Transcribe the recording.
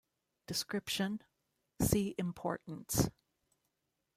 Description: See Importance.